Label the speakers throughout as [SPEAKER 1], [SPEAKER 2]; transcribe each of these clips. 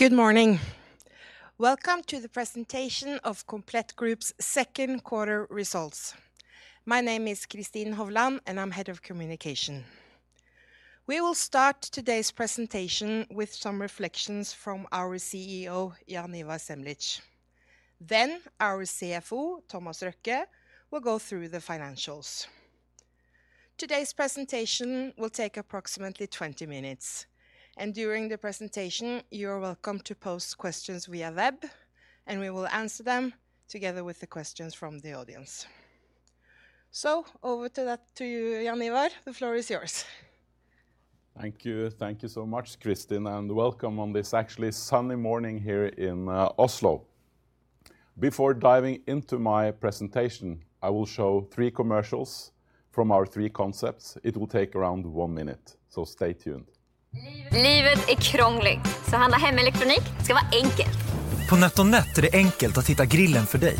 [SPEAKER 1] Good morning. Welcome to the presentation of Komplett Group's second quarter results. My name is Kristin Hovland, and I'm head of communication. We will start today's presentation with some reflections from our CEO, Jaan Ivar Semlitsch. Our CFO, Thomas Røkke, will go through the financials. Today's presentation will take approximately 20 minutes, and during the presentation, you are welcome to post questions via web, and we will answer them together with the questions from the audience. Over to that, to you, Jaan Ivar, the floor is yours.
[SPEAKER 2] Thank you. Thank you so much, Kristin, welcome on this actually sunny morning here in Oslo. Before diving into my presentation, I will show three commercials from our three concepts. It will take around one minute, so stay tuned.
[SPEAKER 3] Life is complicated, buying home electronics should be simple. At NetOnNet, it's easy to find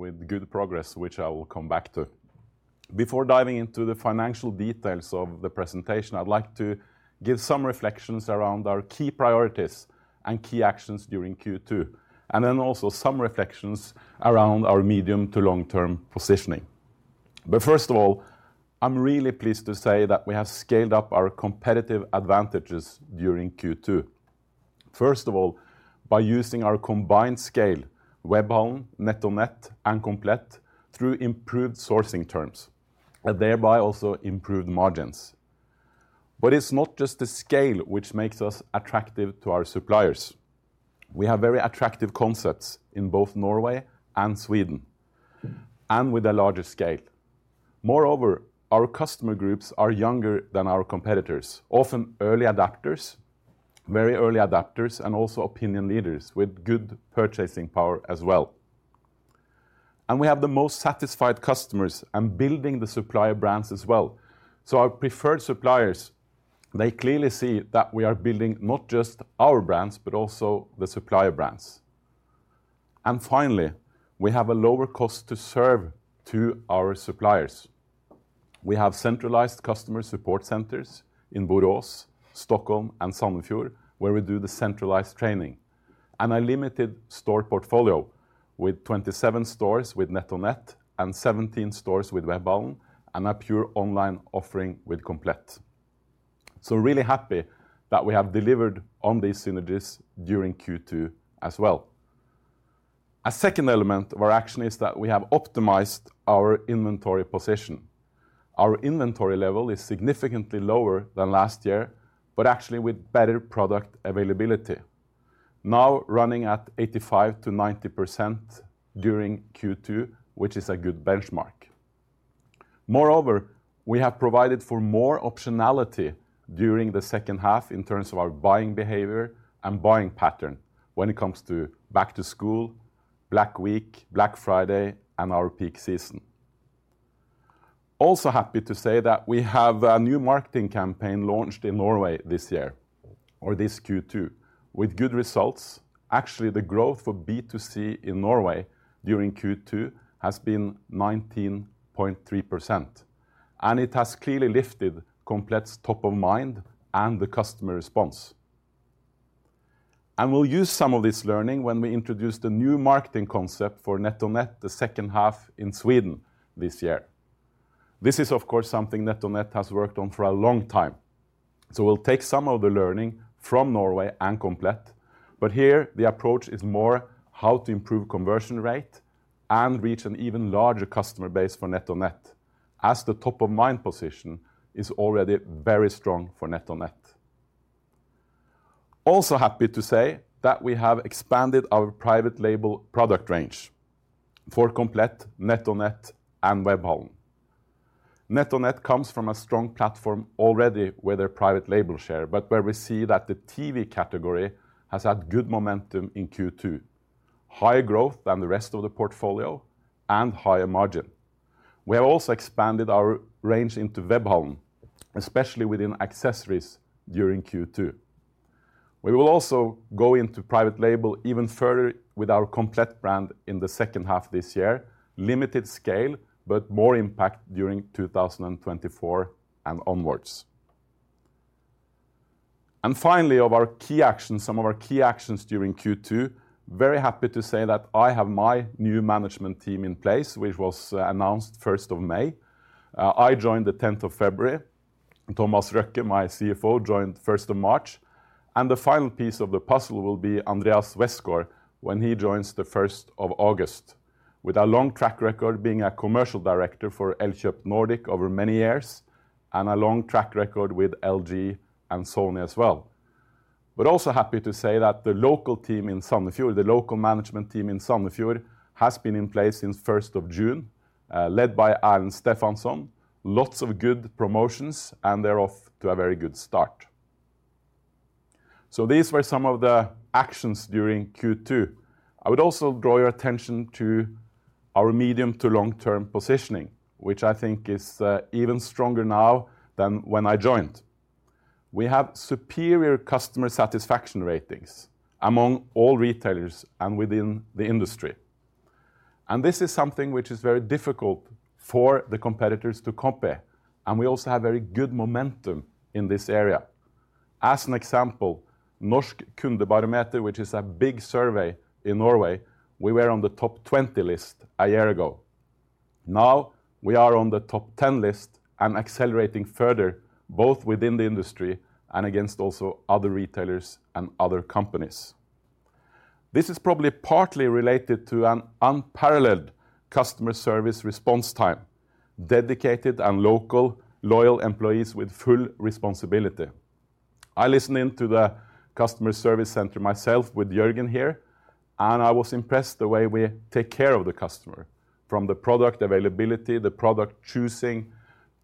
[SPEAKER 2] with good progress, which I will come back to. Before diving into the financial details of the presentation, I'd like to give some reflections around our key priorities and key actions during Q2, then also some reflections around our medium to long-term positioning. First of all, I'm really pleased to say that we have scaled up our competitive advantages during Q2. First of all, by using our combined scale, Webhallen, NetOnNet, and Komplett, through improved sourcing terms, thereby also improved margins. It's not just the scale which makes us attractive to our suppliers. We have very attractive concepts in both Norway and Sweden, with a larger scale. Moreover, our customer groups are younger than our competitors, often early adapters, very early adapters, and also opinion leaders with good purchasing power as well. We have the most satisfied customers and building the supplier brands as well. Our preferred suppliers, they clearly see that we are building not just our brands, but also the supplier brands. Finally, we have a lower cost to serve to our suppliers. We have centralized customer support centers in Borås, Stockholm, and Sandefjord, where we do the centralized training, and a limited store portfolio with 27 stores with NetOnNet and 17 stores with Webhallen, and a pure online offering with Komplett. We're really happy that we have delivered on these synergies during Q2 as well. A second element of our action is that we have optimized our inventory position. Our inventory level is significantly lower than last year, but actually with better product availability, now running at 85%-90% during Q2, which is a good benchmark. Moreover, we have provided for more optionality during the second half in terms of our buying behavior and buying pattern when it comes to Black Week, Black Friday, and our peak season. Also happy to say that we have a new marketing campaign launched in Norway this year, or this Q2, with good results. Actually, the growth for B2C in Norway during Q2 has been 19.3%, and it has clearly lifted Komplett's top of mind and the customer response. We'll use some of this learning when we introduce the new marketing concept for NetOnNet, the second half in Sweden this year. This is, of course, something NetOnNet has worked on for a long time. We'll take some of the learning from Norway and Komplett, but here, the approach is more how to improve conversion rate and reach an even larger customer base for NetOnNet, as the top-of-mind position is already very strong for NetOnNet. Also happy to say that we have expanded our private label product range for Komplett, NetOnNet, and Webhallen. NetOnNet comes from a strong platform already with their private label share, but where we see that the TV category has had good momentum in Q2, higher growth than the rest of the portfolio and higher margin. We have also expanded our range into Webhallen, especially within accessories during Q2. We will also go into private label even further with our Komplett brand in the second half this year. Limited scale, but more impact during 2024 and onwards. Finally, of our key actions, some of our key actions during Q2, very happy to say that I have my new management team in place, which was announced 1st of May. I joined the 10th of February. Thomas Røkke, my CFO, joined 1st of March, and the final piece of the puzzle will be Andreas Westgaard when he joins the 1st of August, with a long track record being a commercial director for Elkjøp Nordic over many years, and a long track record with LG and Sony as well. We're also happy to say that the local team in Sandefjord, the local management team in Sandefjord, has been in place since 1st of June, led by Erlend Stefansson. Lots of good promotions, and they're off to a very good start. These were some of the actions during Q2. I would also draw your attention to our medium to long-term positioning, which I think is even stronger now than when I joined. We have superior customer satisfaction ratings among all retailers and within the industry. This is something which is very difficult for the competitors to copy. We also have very good momentum in this area. As an example, Norsk Kundebarometer, which is a big survey in Norway, we were on the top 20 list a year ago. Now, we are on the top 10 list and accelerating further, both within the industry and against also other retailers and other companies. This is probably partly related to an unparalleled customer service response time, dedicated and local, loyal employees with full responsibility. I listened in to the customer service center myself with Jørgen here. I was impressed the way we take care of the customer, from the product availability, the product choosing,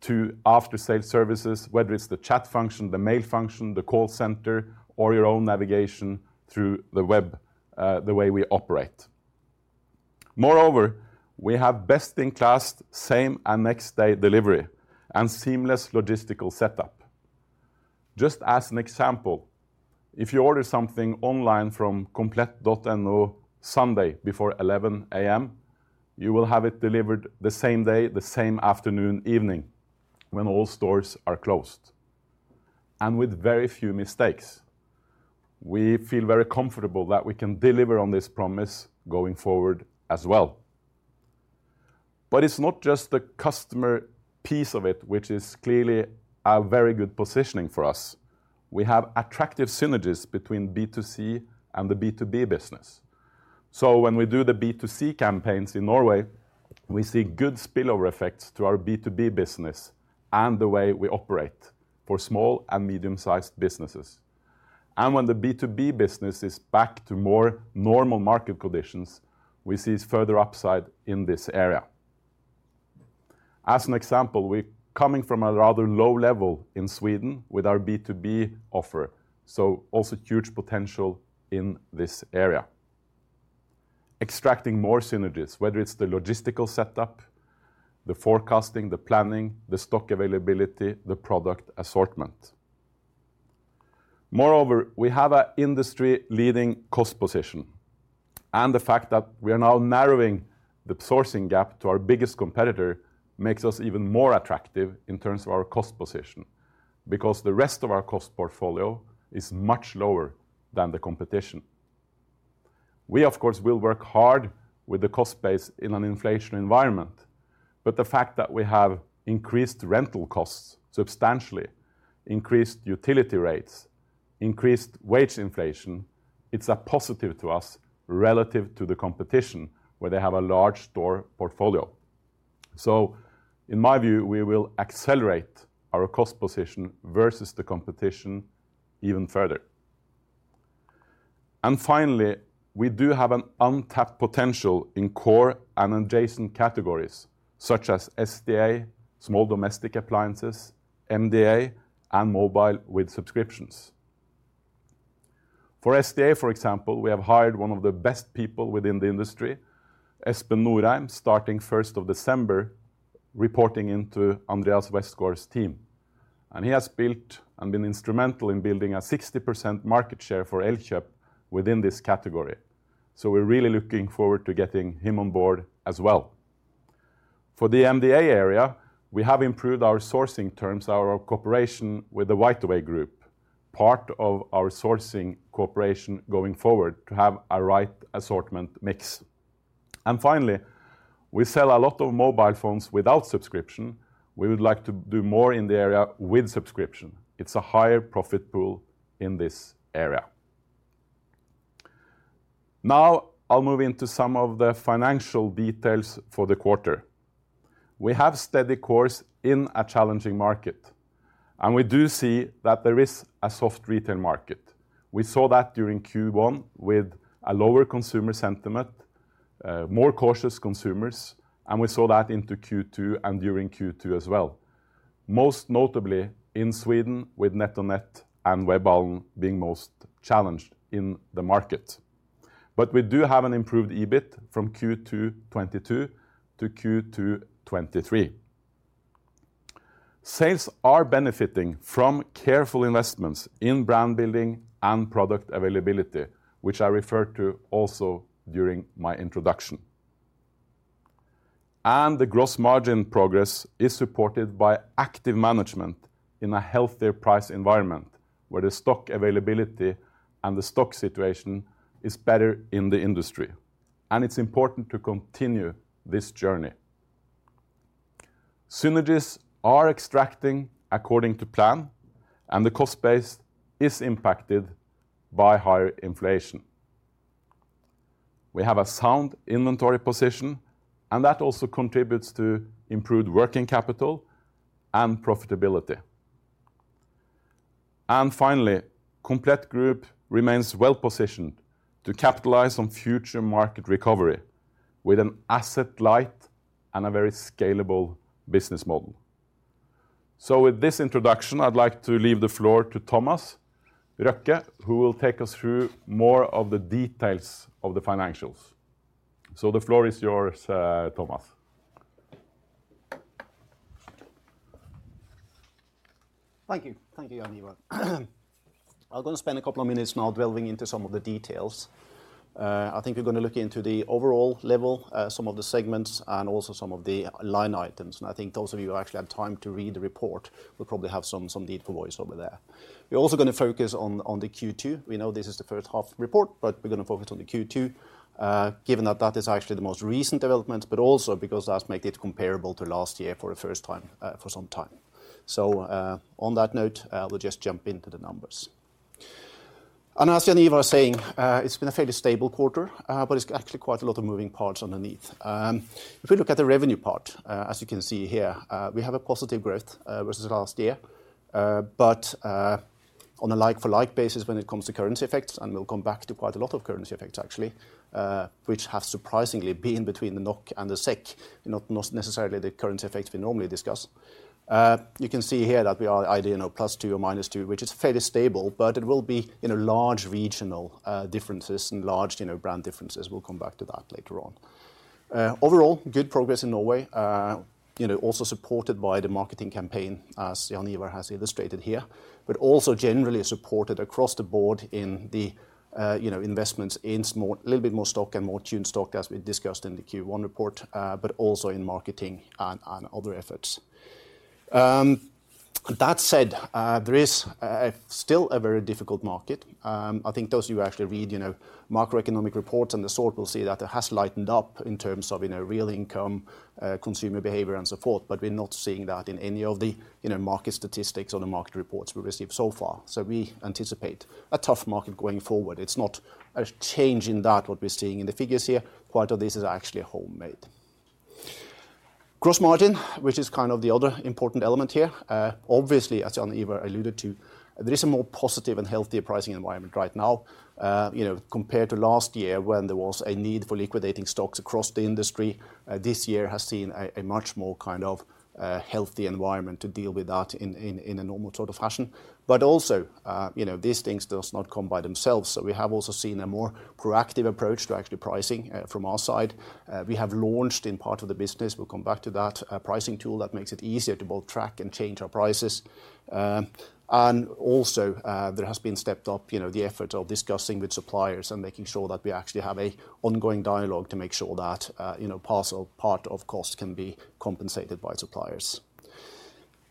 [SPEAKER 2] to after-sale services, whether it's the chat function, the mail function, the call center, or your own navigation through the web, the way we operate. Moreover, we have best-in-class same and next-day delivery and seamless logistical setup. Just as an example, if you order something online from komplett.no Sunday before 11:00 A.M., you will have it delivered the same day, the same afternoon, evening, when all stores are closed, and with very few mistakes. We feel very comfortable that we can deliver on this promise going forward as well. It's not just the customer piece of it, which is clearly a very good positioning for us. We have attractive synergies between B2C and the B2B business. When we do the B2C campaigns in Norway, we see good spillover effects to our B2B business and the way we operate for small and medium-sized businesses. When the B2B business is back to more normal market conditions, we see further upside in this area. As an example, we are coming from a rather low level in Sweden with our B2B offer, so also huge potential in this area. Extracting more synergies, whether it is the logistical setup, the forecasting, the planning, the stock availability, the product assortment. We have an industry-leading cost position, and the fact that we are now narrowing the sourcing gap to our biggest competitor makes us even more attractive in terms of our cost position, because the rest of our cost portfolio is much lower than the competition. We, of course, will work hard with the cost base in an inflation environment. The fact that we have increased rental costs substantially, increased utility rates, increased wage inflation, it's a positive to us relative to the competition, where they have a large store portfolio. In my view, we will accelerate our cost position versus the competition even further. Finally, we do have an untapped potential in core and adjacent categories, such as SDA, small domestic appliances, MDA, and mobile with subscriptions. For SDA, for example, we have hired one of the best people within the industry, Espen Norheim, starting first of December, reporting into Andreas Westgaard's team, and he has built and been instrumental in building a 60% market share for Elkjøp within this category. We're really looking forward to getting him on board as well. For the MDA area, we have improved our sourcing terms, our cooperation with the WhiteAway Group, part of our sourcing cooperation going forward to have a right assortment mix. Finally, we sell a lot of mobile phones without subscription. We would like to do more in the area with subscription. It's a higher profit pool in this area. I'll move into some of the financial details for the quarter. We have steady course in a challenging market, we do see that there is a soft retail market. We saw that during Q1 with a lower consumer sentiment, more cautious consumers, and we saw that into Q2 and during Q2 as well, most notably in Sweden, with NetOnNet and Webhallen being most challenged in the market. We do have an improved EBIT from Q2 2022 to Q2 2023. Sales are benefiting from careful investments in brand building and product availability, which I referred to also during my introduction. The gross margin progress is supported by active management in a healthier price environment, where the stock availability and the stock situation is better in the industry. It's important to continue this journey. Synergies are extracting according to plan, and the cost base is impacted by higher inflation. We have a sound inventory position, and that also contributes to improved working capital and profitability. Finally, Komplett Group remains well-positioned to capitalize on future market recovery with an asset light and a very scalable business model. With this introduction, I'd like to leave the floor to Thomas Røkke, who will take us through more of the details of the financials. The floor is yours, Thomas.
[SPEAKER 4] Thank you. Thank you, Jaan Ivar. I'm going to spend a couple of minutes now delving into some of the details. I think we're going to look into the overall level, some of the segments, and also some of the line items. I think those of you who actually had time to read the report will probably have some deep voice over there. We're also gonna focus on the Q2. We know this is the first half report, but we're gonna focus on the Q2, given that that is actually the most recent development, but also because that's make it comparable to last year for the first time for some time. On that note, we'll just jump into the numbers. As Jaan Ivar was saying, it's been a fairly stable quarter, but it's actually quite a lot of moving parts underneath. If we look at the revenue part, as you can see here, we have a positive growth versus last year. On a like-for-like basis, when it comes to currency effects, and we'll come back to quite a lot of currency effects, actually, which have surprisingly been between the NOK and the SEK, not necessarily the currency effects we normally discuss. You can see here that we are ideally, you know, +2% or -2%, which is fairly stable, but it will be in a large regional differences and large, you know, brand differences. We'll come back to that later on. Overall, good progress in Norway, you know, also supported by the marketing campaign, as Jaan-Ivar has illustrated here, but also generally supported across the board in the, you know, investments in a little bit more stock and more tuned stock, as we discussed in the Q1 report, but also in marketing and other efforts. That said, there is still a very difficult market. I think those of you who actually read, you know, macroeconomic reports and the sort, will see that it has lightened up in terms of, you know, real income, consumer behavior and so forth, but we're not seeing that in any of the, you know, market statistics or the market reports we received so far, so we anticipate a tough market going forward. It's not a change in that, what we're seeing in the figures here. Quite of this is actually homemade. Gross margin, which is kind of the other important element here. Obviously, as Jaan Ivar alluded to, there is a more positive and healthier pricing environment right now, you know, compared to last year, when there was a need for liquidating stocks across the industry. This year has seen a much more kind of healthy environment to deal with that in a normal sort of fashion. Also, you know, these things does not come by themselves, so we have also seen a more proactive approach to actually pricing from our side. We have launched in part of the business, we'll come back to that, a pricing tool that makes it easier to both track and change our prices. Also, there has been stepped up, you know, the effort of discussing with suppliers and making sure that we actually have a ongoing dialogue to make sure that, you know, parcel, part of cost can be compensated by suppliers.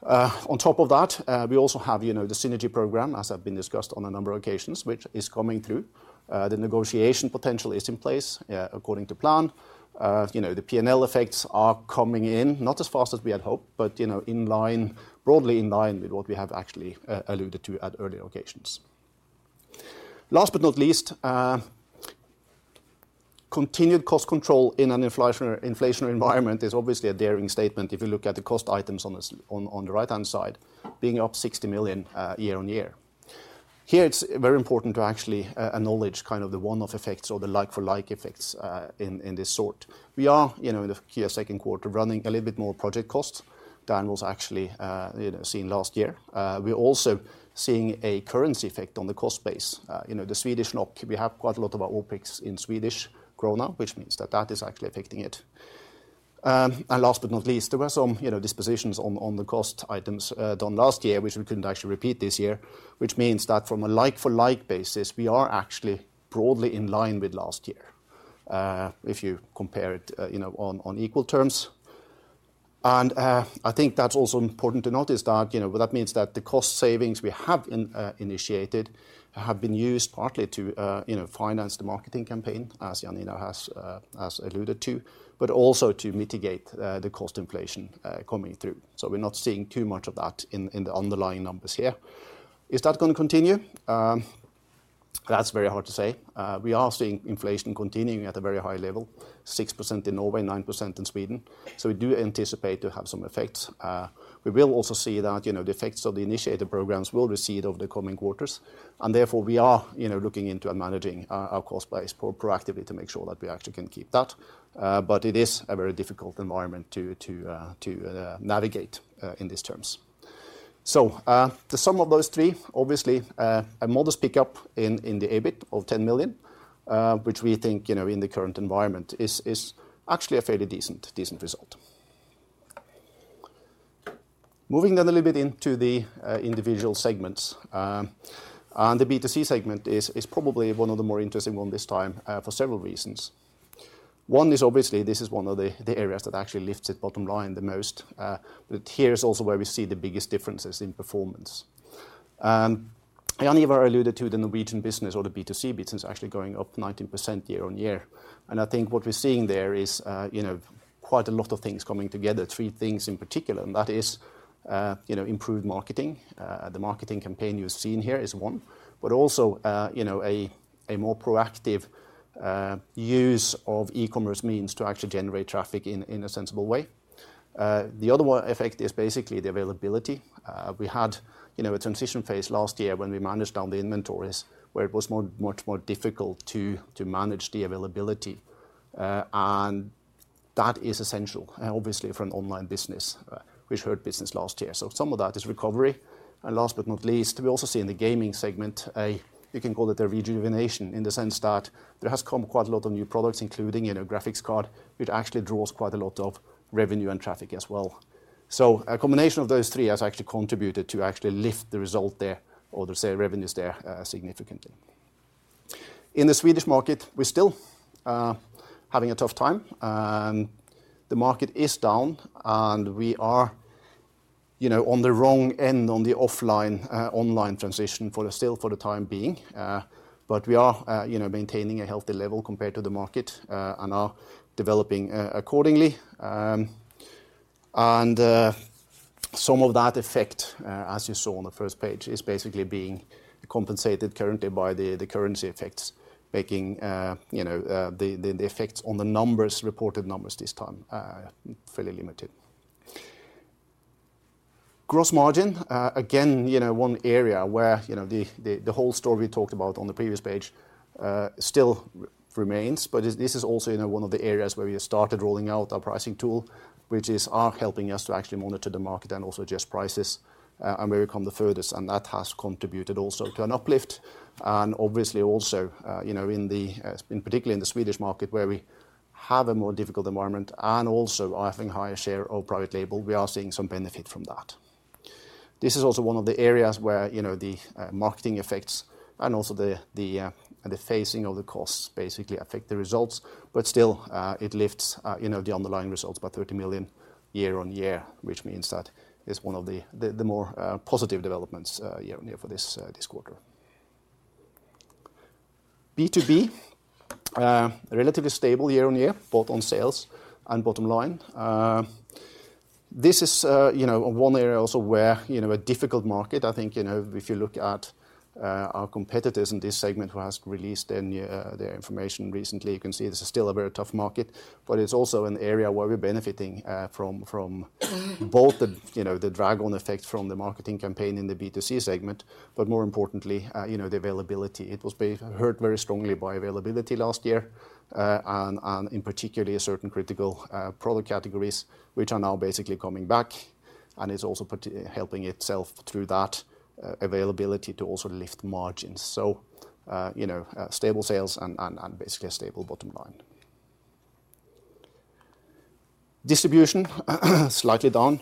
[SPEAKER 4] On top of that, we also have, you know, the synergy program, as have been discussed on a number of occasions, which is coming through. The negotiation potential is in place, according to plan. You know, the P&L effects are coming in, not as fast as we had hoped, but, you know, broadly in line with what we have actually, alluded to at earlier occasions. Last but not least, continued cost control in an inflationary environment is obviously a daring statement if you look at the cost items on the right-hand side, being up 60 million year-on-year. Here, it's very important to actually acknowledge kind of the one-off effects or the like-for-like effects in this sort. We are, you know, in the Q2 second quarter, running a little bit more project costs than was actually, you know, seen last year. We're also seeing a currency effect on the cost base. You know, the Swedish NOK, we have quite a lot of our OPEX in Swedish Krona, which means that that is actually affecting it. Last but not least, there were some, you know, dispositions on the cost items done last year, which we couldn't actually repeat this year, which means that from a like-for-like basis, we are actually broadly in line with last year, if you compare it, you know, on equal terms. I think that's also important to notice that, you know, but that means that the cost savings we have initiated have been used partly to, you know, finance the marketing campaign, as Jaan-Ivar has alluded to, but also to mitigate the cost inflation coming through. We're not seeing too much of that in the underlying numbers here. Is that gonna continue? That's very hard to say. We are seeing inflation continuing at a very high level, 6% in Norway, 9% in Sweden, so we do anticipate to have some effects. We will also see that, you know, the effects of the initiated programs will recede over the coming quarters, and therefore, we are, you know, looking into and managing our cost base more proactively to make sure that we actually can keep that. But it is a very difficult environment to navigate in these terms. The sum of those three, obviously, a modest pickup in the EBIT of 10 million, which we think, you know, in the current environment is actually a fairly decent result. Moving on a little bit into the individual segments. The B2C segment is probably one of the more interesting one this time for several reasons. One is obviously, this is one of the areas that actually lifts it bottom line the most, but here is also where we see the biggest differences in performance. I only ever alluded to the Norwegian business or the B2C business actually going up 19% year-on-year. I think what we're seeing there is, you know, quite a lot of things coming together. Three things in particular, and that is, you know, improved marketing. The marketing campaign you're seeing here is one, but also, you know, a more proactive use of e-commerce means to actually generate traffic in a sensible way. The other one effect is basically the availability. We had, you know, a transition phase last year when we managed down the inventories, where it was much more difficult to manage the availability. That is essential, obviously, for an online business, which hurt business last year. Some of that is recovery. Last but not least, we also see in the gaming segment a, you can call it a rejuvenation, in the sense that there has come quite a lot of new products, including, you know, graphics card, which actually draws quite a lot of revenue and traffic as well. A combination of those three has actually contributed to actually lift the result there, or the say, revenues there, significantly. In the Swedish market, we're still having a tough time, and the market is down, and we are, you know, on the wrong end, on the offline, online transition for the time being. We are, you know, maintaining a healthy level compared to the market, and are developing accordingly. Some of that effect, as you saw on the first page, is basically being compensated currently by the currency effects, making, you know, the effects on the numbers, reported numbers this time, fairly limited. Gross margin, again, you know, one area where, you know, the, the whole story we talked about on the previous page, still remains, but this is also, you know, one of the areas where we have started rolling out our pricing tool, are helping us to actually monitor the market and also adjust prices, and where we come the furthest, and that has contributed also to an uplift. Obviously, also, you know, in particularly in the Swedish market, where we have a more difficult environment and also, I think, higher share of private label, we are seeing some benefit from that. This is also one of the areas where, you know, the marketing effects and also the phasing of the costs basically affect the results. Still, it lifts, you know, the underlying results by 30 million year-over-year, which means that is one of the more positive developments year-over-year for this quarter. B2B relatively stable year-over-year, both on sales and bottom line. This is, you know, one area also where, you know, a difficult market, I think, you know, if you look at our competitors in this segment who has released their new information recently, you can see this is still a very tough market, but it's also an area where we're benefiting from both the, you know, the dragon effect from the marketing campaign in the B2C segment, but more importantly, you know, the availability. It was hurt very strongly by availability last year, and in particularly certain critical product categories, which are now basically coming back and is also helping itself through that availability to also lift margins. You know, stable sales and basically a stable bottom line. Distribution, slightly down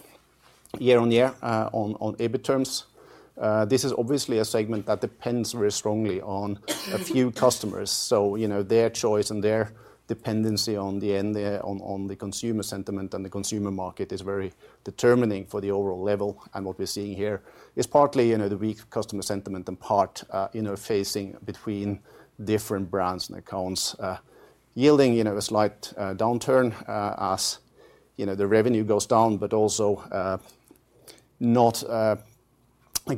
[SPEAKER 4] year-on-year, on EBIT terms. This is obviously a segment that depends very strongly on a few customers. You know, their choice and their dependency on the end, on the consumer sentiment and the consumer market is very determining for the overall level. What we're seeing here is partly, you know, the weak customer sentiment and part interfacing between different brands and accounts, yielding, you know, a slight downturn, as, you know, the revenue goes down, but also, not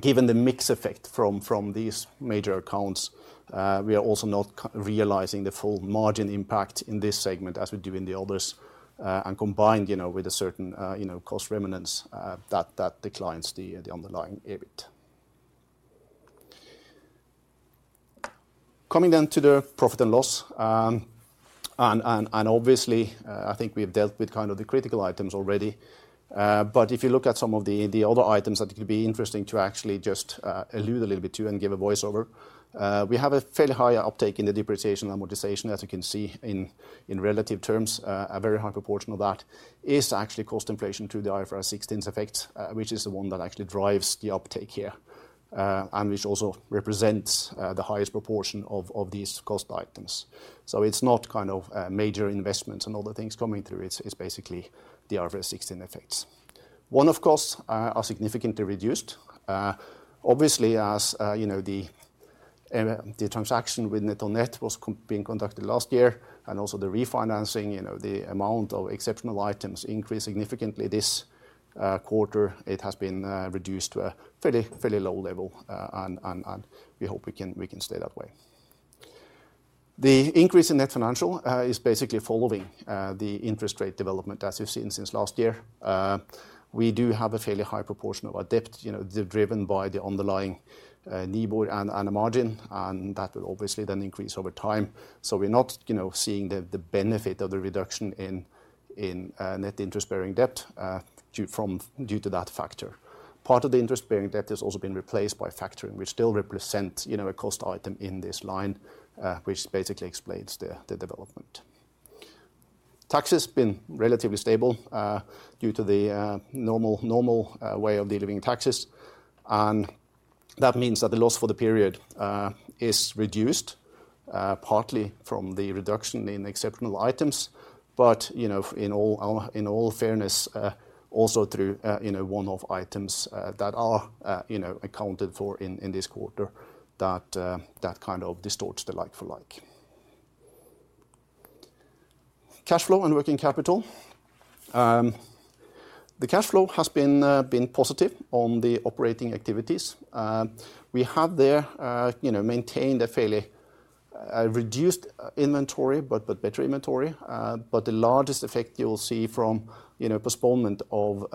[SPEAKER 4] given the mix effect from these major accounts, we are also not realizing the full margin impact in this segment as we do in the others. Combined, you know, with a certain, you know, cost remnants, that declines the underlying EBIT. Coming down to the profit and loss. Obviously, I think we've dealt with kind of the critical items already. If you look at some of the other items, that it could be interesting to actually just allude a little bit to and give a voice over. We have a fairly higher uptake in the depreciation and amortization, as you can see in relative terms. A very high proportion of that is actually cost inflation to the IFRS 16 effect, which is the one that actually drives the uptake here, and which also represents the highest proportion of these cost items. It's not kind of major investments and other things coming through, it's basically the IFRS 16 effects. One-off costs are significantly reduced. Obviously, as, you know, the transaction with NetOnNet was being conducted last year, and also the refinancing, you know, the amount of exceptional items increased significantly this quarter. It has been reduced to a fairly low level, and we hope we can stay that way. The increase in net financial is basically following the interest rate development, as we've seen since last year. We do have a fairly high proportion of our debt, you know, driven by the underlying Nibor and margin, and that will obviously then increase over time. We're not, you know, seeing the benefit of the reduction in net interest-bearing debt due to that factor. Part of the interest-bearing debt has also been replaced by factoring, which still represent, you know, a cost item in this line, which basically explains the development. Tax has been relatively stable, due to the normal way of delivering taxes. That means that the loss for the period is reduced partly from the reduction in exceptional items, but, you know, in all fairness, also through, you know, one-off items that are, you know, accounted for in this quarter, that kind of distorts the like-for-like. Cash flow and working capital. The cash flow has been positive on the operating activities. We have there, you know, maintained a fairly reduced inventory, but better inventory. The largest effect you will see from, you know, postponement of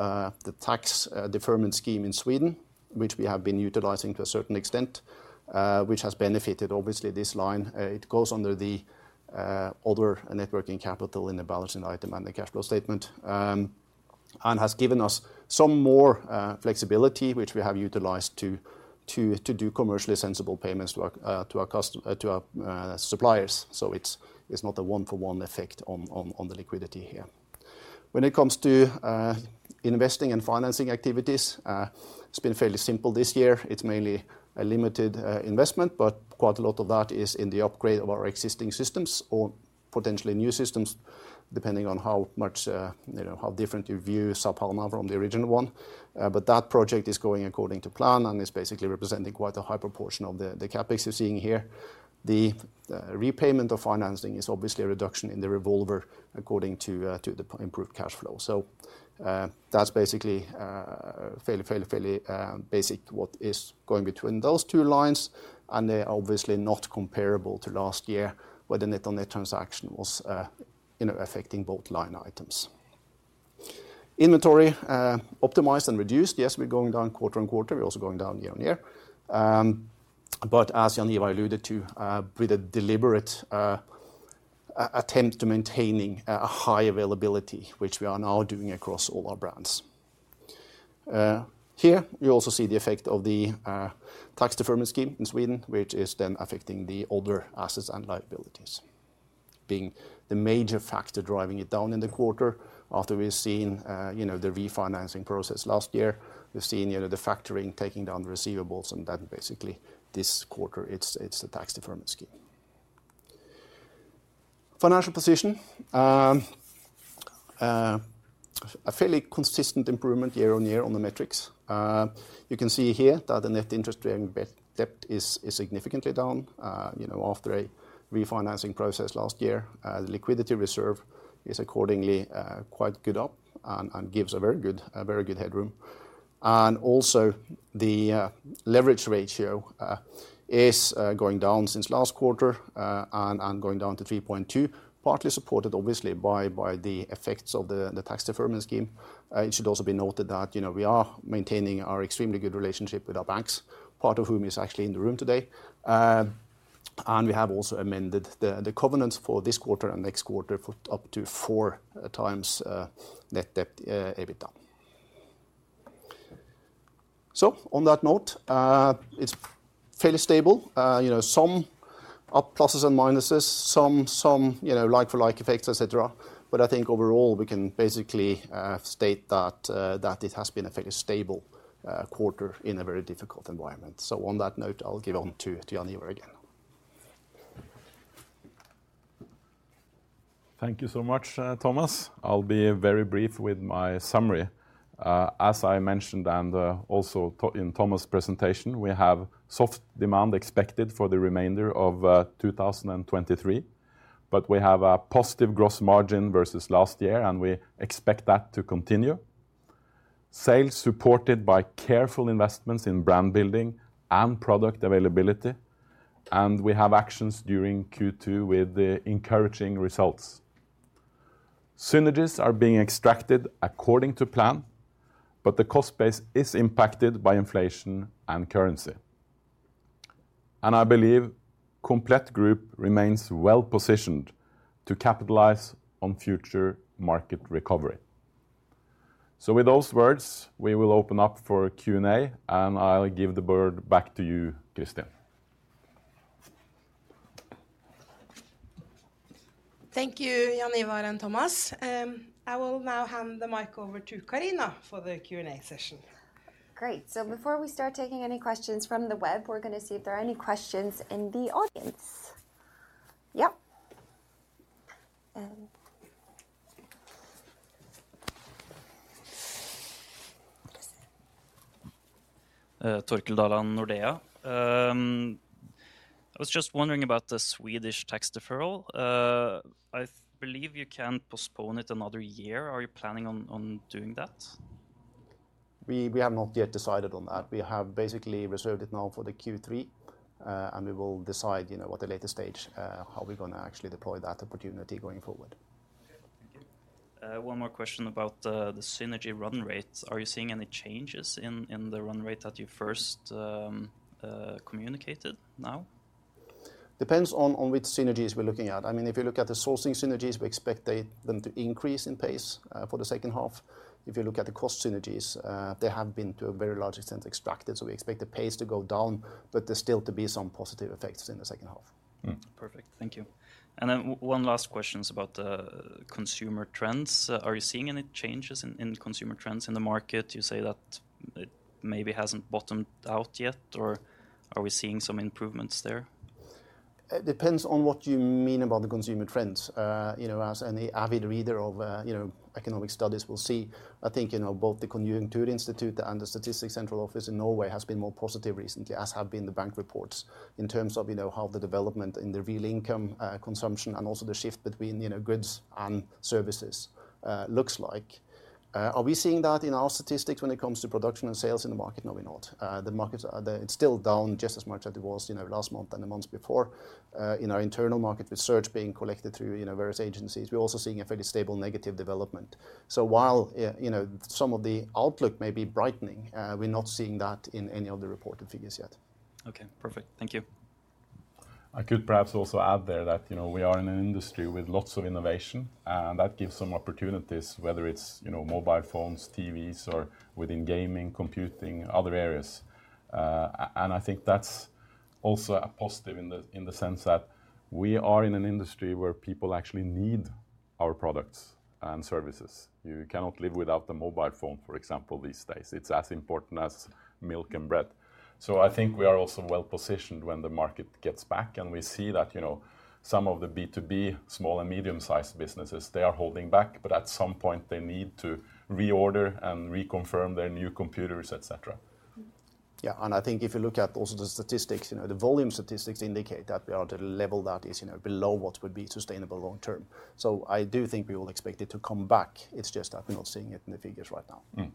[SPEAKER 4] the tax deferment scheme in Sweden, which we have been utilizing to a certain extent, which has benefited, obviously, this line. It goes under the other net working capital in the balancing item and the cash flow statement, and has given us some more flexibility, which we have utilized to do commercially sensible payments to our suppliers. It's not a one-for-one effect on the liquidity here. When it comes to investing and financing activities, it's been fairly simple this year. It's mainly a limited investment, quite a lot of that is in the upgrade of our existing systems or potentially new systems, depending on how much, you know, how different you view SAP HANA from the original one. That project is going according to plan and is basically representing quite a high proportion of the CapEx you're seeing here. The repayment of financing is obviously a reduction in the revolver according to the improved cash flow. That's basically fairly basic what is going between those two lines, and they're obviously not comparable to last year, where the NetOnNet transaction was, you know, affecting both line items. Inventory optimized and reduced. Yes, we're going down quarter-on-quarter. We're also going down year-on-year. As Jaan Ivar alluded to, with a deliberate attempt to maintaining a high availability, which we are now doing across all our brands. Here, you also see the effect of the tax deferment scheme in Sweden, which is then affecting the older assets and liabilities, being the major factor driving it down in the quarter. After we've seen, you know, the refinancing process last year, we've seen, you know, the factory taking down the receivables, basically this quarter, it's the tax deferment scheme. Financial position. A fairly consistent improvement year-on-year on the metrics. You can see here that the net interest bearing debt is significantly down, you know, after a refinancing process last year. The liquidity reserve is accordingly quite good up and gives a very good headroom. Also, the leverage ratio is going down since last quarter and going down to 3.2, partly supported, obviously, by the effects of the tax deferment scheme. It should also be noted that, you know, we are maintaining our extremely good relationship with our banks, part of whom is actually in the room today. We have also amended the covenants for this quarter and next quarter for up to 4x net debt EBITDA. On that note, it's fairly stable. You know, some are pluses and minuses, some, you know, like-for-like effects, et cetera. I think overall, we can basically state that it has been a fairly stable quarter in a very difficult environment. On that note, I'll give on to Jaan Ivar again.
[SPEAKER 2] Thank you so much, Thomas. I'll be very brief with my summary. As I mentioned, and also in Thomas' presentation, we have soft demand expected for the remainder of 2023, but we have a positive gross margin versus last year, and we expect that to continue. Sales supported by careful investments in brand building and product availability, and we have actions during Q2 with the encouraging results. Synergies are being extracted according to plan, but the cost base is impacted by inflation and currency. I believe Komplett Group remains well positioned to capitalize on future market recovery. With those words, we will open up for Q&A, and I'll give the bird back to you, Kristin.
[SPEAKER 1] Thank you, Jaan Ivar and Thomas. I will now hand the mic over to Karina for the Q&A session.
[SPEAKER 5] Great, before we start taking any questions from the web, we're going to see if there are any questions in the audience. Yep?
[SPEAKER 6] Torkjell Dahle, Nordea. I was just wondering about the Swedish tax deferral. I believe you can postpone it another year. Are you planning on doing that?
[SPEAKER 4] We have not yet decided on that. We have basically reserved it now for the Q3, and we will decide, you know, at a later stage, how we're gonna actually deploy that opportunity going forward.
[SPEAKER 6] Okay, thank you. One more question about the synergy run rate. Are you seeing any changes in the run rate that you first communicated now?
[SPEAKER 4] Depends on which synergies we're looking at. I mean, if you look at the sourcing synergies, we expect them to increase in pace for the second half. If you look at the cost synergies, they have been, to a very large extent, extracted. We expect the pace to go down, but there's still to be some positive effects in the second half.
[SPEAKER 6] Perfect. Thank you. Then one last question is about the consumer trends. Are you seeing any changes in consumer trends in the market? You say that it maybe hasn't bottomed out yet, or are we seeing some improvements there? ...
[SPEAKER 4] It depends on what you mean about the consumer trends. you know, as any avid reader of, you know, economic studies will see, I think, you know, both the Konjunkturinstitutet and the Statistics Central Office in Norway has been more positive recently, as have been the bank reports, in terms of, you know, how the development in the real income, consumption, and also the shift between, you know, goods and services, looks like. Are we seeing that in our statistics when it comes to production and sales in the market? No, we're not. The markets it's still down just as much as it was, you know, last month and the months before. In our internal market research being collected through, you know, various agencies, we're also seeing a fairly stable negative development. While, you know, some of the outlook may be brightening, we're not seeing that in any of the reported figures yet.
[SPEAKER 6] Okay, perfect. Thank you.
[SPEAKER 2] I could perhaps also add there that, you know, we are in an industry with lots of innovation, and that gives some opportunities, whether it's, you know, mobile phones, TVs, or within gaming, computing, other areas. And I think that's also a positive in the, in the sense that we are in an industry where people actually need our products and services. You cannot live without the mobile phone, for example, these days. It's as important as milk and bread. I think we are also well-positioned when the market gets back, and we see that, you know, some of the B2B, small and medium-sized businesses, they are holding back, but at some point they need to reorder and reconfirm their new computers, et cetera.
[SPEAKER 4] Yeah, I think if you look at also the statistics, you know, the volume statistics indicate that we are at a level that is, you know, below what would be sustainable long term. I do think we will expect it to come back. It's just that we're not seeing it in the figures right now.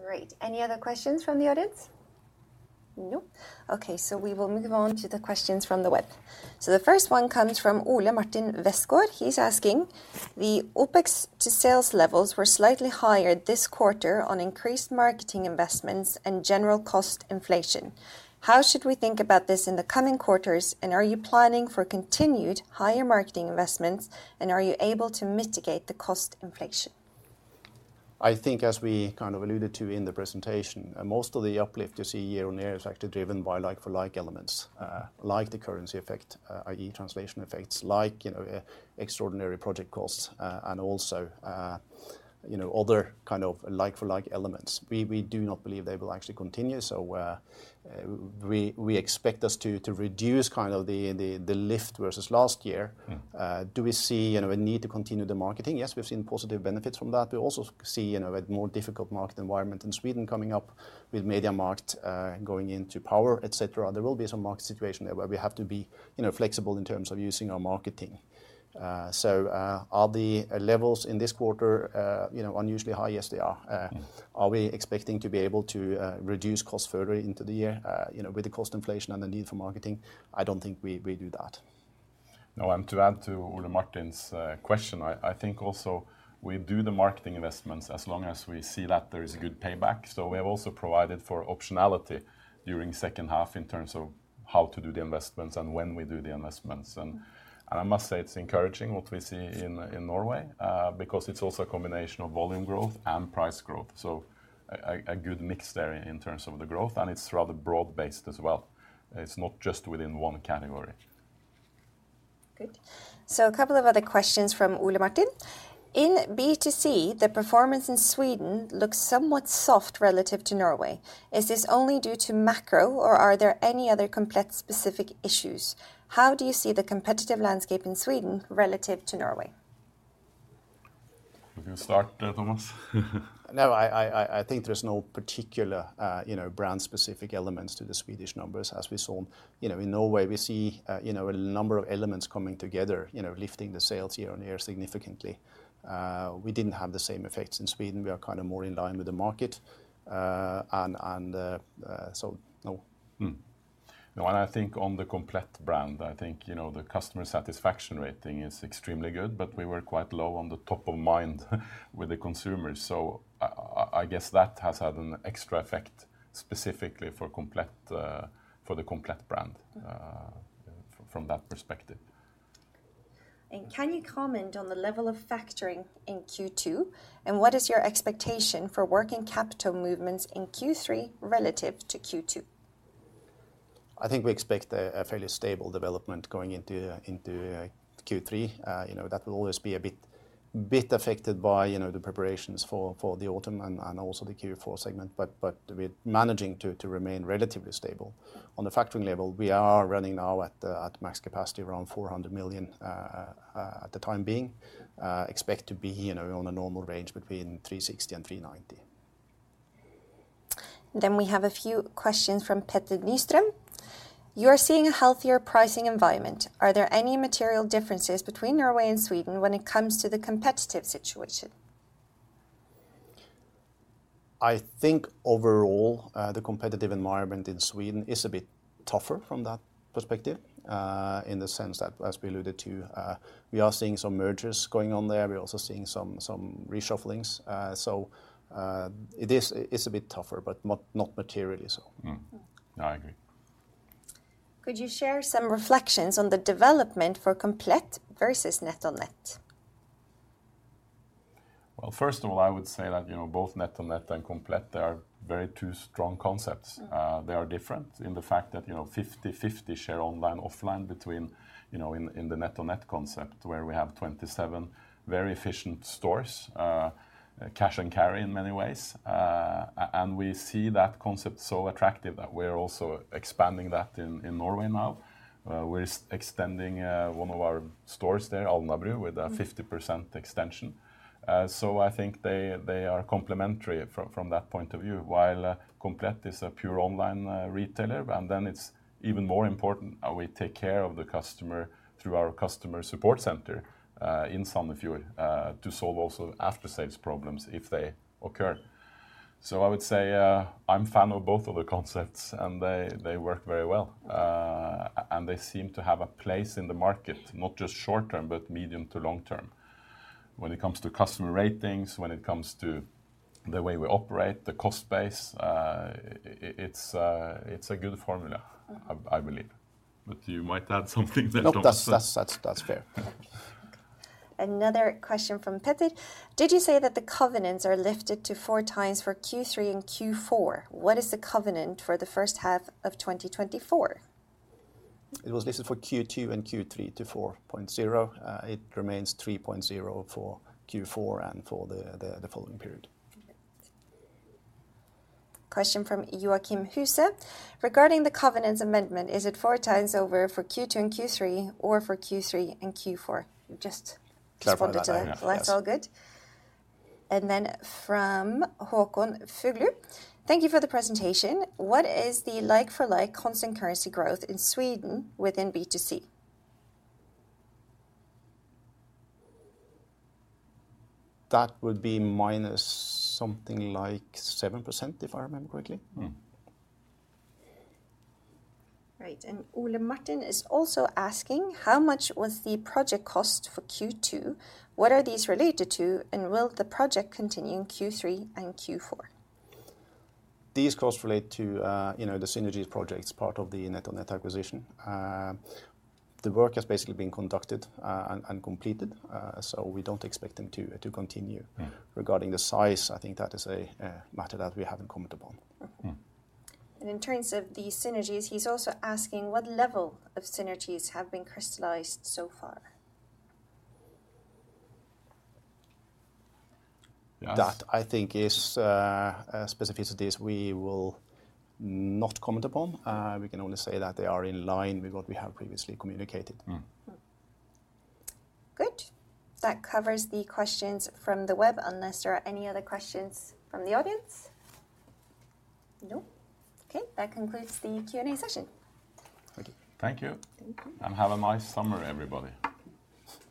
[SPEAKER 2] Mm.
[SPEAKER 5] Great. Any other questions from the audience? Nope. Okay, we will move on to the questions from the web. The first one comes from Ole Martin Westgaard. He's asking: The OPEX to sales levels were slightly higher this quarter on increased marketing investments and general cost inflation. How should we think about this in the coming quarters, and are you planning for continued higher marketing investments, and are you able to mitigate the cost inflation?
[SPEAKER 4] I think as we kind of alluded to in the presentation, most of the uplift you see year-on-year is actually driven by like-for-like elements, like the currency effect, i.e., translation effects, like, you know, extraordinary project costs, and also, you know, other kind of like-for-like elements. We do not believe they will actually continue, so, we expect us to reduce kind of the lift versus last year.
[SPEAKER 2] Mm.
[SPEAKER 4] Do we see, you know, a need to continue the marketing? Yes, we've seen positive benefits from that. We also see, you know, a more difficult market environment in Sweden coming up with MediaMarkt, going into Power, et cetera. There will be some market situation there where we have to be, you know, flexible in terms of using our marketing. Are the levels in this quarter, you know, unusually high? Yes, they are.
[SPEAKER 2] Mm.
[SPEAKER 4] Are we expecting to be able to reduce costs further into the year? you know, with the cost inflation and the need for marketing, I don't think we do that.
[SPEAKER 2] To add to Ole Martin's question, I think also we do the marketing investments as long as we see that there is a good payback. We have also provided for optionality during second half in terms of how to do the investments and when we do the investments. I must say it's encouraging what we see in Norway, because it's also a combination of volume growth and price growth. A good mix there in terms of the growth, and it's rather broad-based as well. It's not just within one category.
[SPEAKER 5] Good. A couple of other questions from Ole Martin. In B2C, the performance in Sweden looks somewhat soft relative to Norway. Is this only due to macro, or are there any other Komplett specific issues? How do you see the competitive landscape in Sweden relative to Norway?
[SPEAKER 2] You can start there, Thomas.
[SPEAKER 4] I think there's no particular, you know, brand-specific elements to the Swedish numbers. As we saw, you know, in Norway, we see, you know, a number of elements coming together, you know, lifting the sales year-on-year significantly. We didn't have the same effects in Sweden. We are kind of more in line with the market, and no.
[SPEAKER 2] No, I think on the Komplett brand, I think, you know, the customer satisfaction rating is extremely good, but we were quite low on the top of mind with the consumers. I guess that has had an extra effect specifically for Komplett for the Komplett brand from that perspective.
[SPEAKER 5] Can you comment on the level of factoring in Q2, and what is your expectation for working capital movements in Q3 relative to Q2?
[SPEAKER 4] I think we expect a fairly stable development going into Q3. you know, that will always be a bit affected by, you know, the preparations for the autumn and also the Q4 segment, but we're managing to remain relatively stable. On the factoring level, we are running now at max capacity, around 400 million at the time being. Expect to be, you know, on a normal range between 360 million and 390 million.
[SPEAKER 5] We have a few questions from Petter Nystrøm. You are seeing a healthier pricing environment. Are there any material differences between Norway and Sweden when it comes to the competitive situation?
[SPEAKER 4] I think overall, the competitive environment in Sweden is a bit tougher from that perspective, in the sense that, as we alluded to, we are seeing some mergers going on there. We're also seeing some reshufflings. It's a bit tougher, but not materially so.
[SPEAKER 2] No, I agree.
[SPEAKER 5] Could you share some reflections on the development for Komplett versus NetOnNet?
[SPEAKER 2] Well, first of all, I would say that, you know, both NetOnNet and Komplett, they are very two strong concepts. They are different in the fact that, you know, 50/50 share online, offline between, you know, in the NetOnNet concept, where we have 27 very efficient stores, cash and carry in many ways. And we see that concept so attractive that we're also expanding that in Norway now. We're extending one of our stores there, Alnabru, with a 50% extension. So I think they are complementary from that point of view. While Komplett is a pure online retailer, and then it's even more important how we take care of the customer through our customer support center in Sandefjord, to solve also after-sales problems if they occur. I would say, I'm fan of both of the concepts, and they work very well. They seem to have a place in the market, not just short term, but medium to long term. When it comes to customer ratings, when it comes to the way we operate, the cost base, it's a good formula, I believe. You might add something there, Thomas.
[SPEAKER 4] No, that's fair.
[SPEAKER 5] Another question from Petter: Did you say that the covenants are lifted to four times for Q3 and Q4? What is the covenant for the first half of 2024?
[SPEAKER 4] It was listed for Q2 and Q3 to 4.0. It remains 3.0 for Q4 and for the following period.
[SPEAKER 5] Okay. Question from Joachim Huse: Regarding the covenants amendment, is it four times over for Q2 and Q3 or for Q3 and Q4?
[SPEAKER 4] Clarified that one, yes.
[SPEAKER 5] That's all good. From Håkon Fuglu, thank you for the presentation. What is the like-for-like constant currency growth in Sweden within B2C?
[SPEAKER 4] That would be minus something like 7%, if I remember correctly.
[SPEAKER 2] Mm.
[SPEAKER 5] Right, Ole Martin is also asking: How much was the project cost for Q2? What are these related to, and will the project continue in Q3 and Q4?
[SPEAKER 4] These costs relate to, you know, the synergies projects, part of the NetOnNet acquisition. The work has basically been conducted, and completed, so we don't expect them to continue.
[SPEAKER 2] Mm.
[SPEAKER 4] Regarding the size, I think that is a matter that we haven't commented upon.
[SPEAKER 2] Mm.
[SPEAKER 5] In terms of the synergies, he's also asking what level of synergies have been crystallized so far?
[SPEAKER 2] Yes.
[SPEAKER 4] That I think is, specificities we will not comment upon. We can only say that they are in line with what we have previously communicated.
[SPEAKER 2] Mm.
[SPEAKER 5] Good. That covers the questions from the web, unless there are any other questions from the audience? Nope. Okay, that concludes the Q&A session.
[SPEAKER 4] Thank you.
[SPEAKER 2] Thank you.
[SPEAKER 5] Thank you.
[SPEAKER 2] Have a nice summer, everybody.